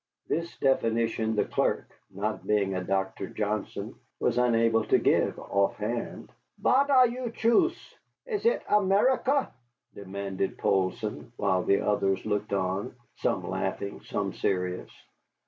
This definition the clerk, not being a Doctor Johnson, was unable to give offhand. "Vat are you, choost? Is it America?" demanded Poulsson, while the others looked on, some laughing, some serious.